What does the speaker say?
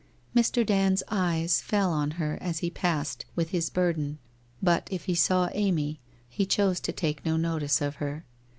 Mr. Dand's eyes fell on her as he passed with his bur den, but if he saw Amy, he chose to take no notice of her.